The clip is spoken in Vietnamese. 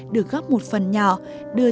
được góp một phần nhỏ đưa